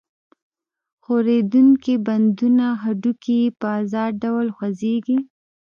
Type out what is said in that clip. ښورېدونکي بندونه هډوکي یې په آزاد ډول خوځېږي.